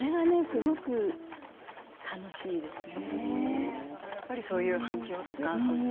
それがすごく楽しいですね。